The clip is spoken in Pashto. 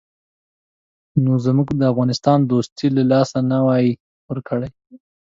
نو موږ به د افغانستان دوستي له لاسه نه وای ورکړې.